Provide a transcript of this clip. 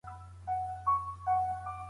باید د فضايي پوهنې په برخه کې لا ډېرې هڅې وشي.